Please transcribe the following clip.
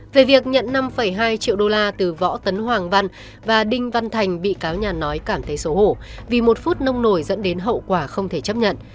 về việc nhận năm hai triệu đô la từ võ tấn hoàng văn và đinh văn thành bị cáo nhà nói cảm thấy xấu hổ vì một phút nông nổi dẫn đến hậu quả không thể chấp nhận